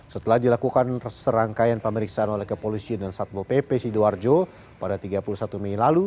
setelah dilakukan serangkaian pemeriksaan oleh kepolisian dan satpol pp sidoarjo pada tiga puluh satu mei lalu